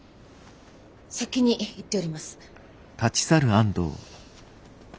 先に行っております。